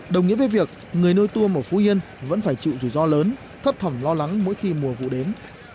đồng nghĩa với việc người nuôi tôm ở phú yên vẫn phải chịu rủi ro lớn thấp thỏm lo lắng mỗi khi mùa vụ đến